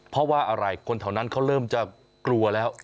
เพราะว่าอะไรคนแถวนั้นเขาเริ่มจะกลัวแล้ว